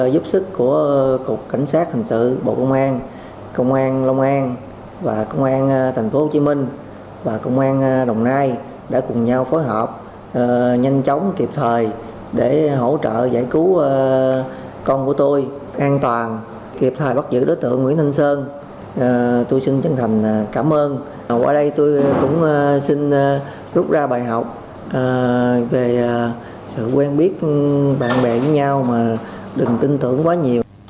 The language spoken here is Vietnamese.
về sự quen biết bạn bè với nhau mà đừng tin tưởng quá nhiều